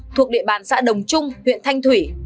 thuộc địa bàn xã đồng trung huyện thanh thủy